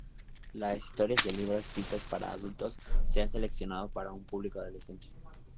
Las historias del libro, escritas para adultos, se han seleccionado para un público adolescente.